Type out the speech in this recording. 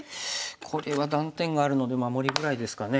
これは断点があるので守りぐらいですかね。